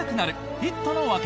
ヒットの訳！